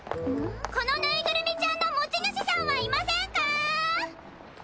このぬいぐるみちゃんの持ち主さんはいませんか？